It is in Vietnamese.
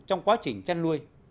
trong quá trình chăn nuôi